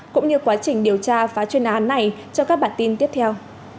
cũng như quá trình điều tra phá chuyên án này cho các bản tin tiếp theo